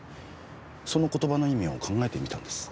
その言葉の意味を考えてみたんです。